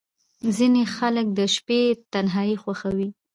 • ځینې خلک د شپې تنهايي خوښوي.